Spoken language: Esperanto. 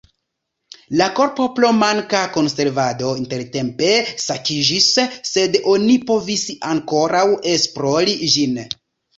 La korpo pro manka konservado intertempe sekiĝis, sed oni povis ankoraŭ esplori ĝin.